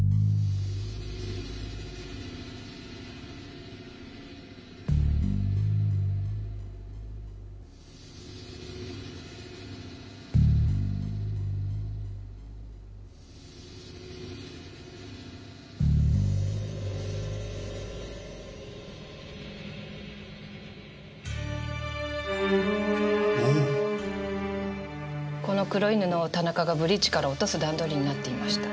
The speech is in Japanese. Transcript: この黒い布を田中がブリッジから落とす段取りになっていました。